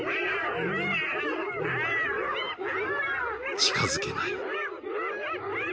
［近づけない］